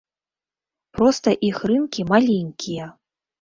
Проста іх рынкі маленькія.